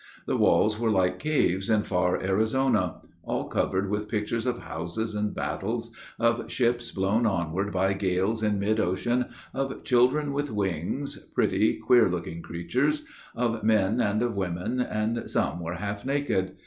The walls were like caves in far Arizona. All covered with pictures of houses and battles; Of ships blown onward by gales in mid ocean; Of children with wings, pretty queer looking creatures; Of men and of women, and some were half naked.